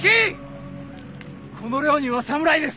この両人は侍です。